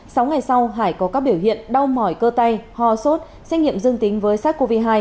sáu ngày sau hải có các biểu hiện đau mỏi cơ tay ho sốt xét nghiệm dương tính với sars cov hai